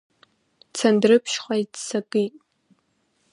Цандрыԥшьҟа иццакит.